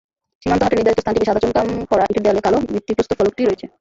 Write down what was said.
সীমান্ত হাটের নির্ধারিত স্থানটিতে সাদা চুনকাম করা ইটের দেয়ালে কালো ভিত্তিপ্রস্তর ফলকটি রয়েছে।